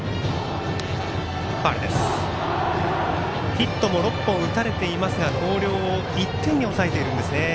ヒットも６本打たれていますが広陵を１点に抑えているんですね。